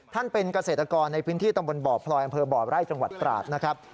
เป็นเกษตรกรในพื้นที่ตำบลบ่อพลอยอำเภอบ่อไร่จังหวัดตราดนะครับ